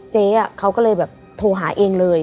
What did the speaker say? เจ๊เขาก็เลยแบบโทรหาเองเลย